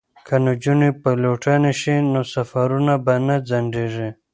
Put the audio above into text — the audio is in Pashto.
که نجونې پیلوټانې شي نو سفرونه به نه ځنډیږي.